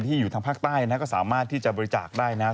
อยู่ทางภาคใต้นะก็สามารถที่จะบริจาคได้นะครับ